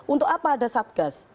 untuk apa ada satgas